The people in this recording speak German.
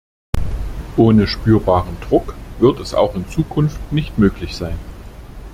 Ohne spürbaren Druck wird es auch in Zukunft nicht möglich sein.